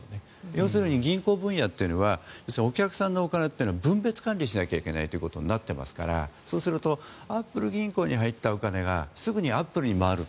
要するに銀行分野というのはお客さんのお金というのは分別管理しなきゃいけないことになってますからそうするとアップル銀行に入ったお金がすぐにアップルに回る。